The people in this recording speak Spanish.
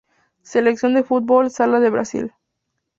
Selección de fútbol sala de Brasil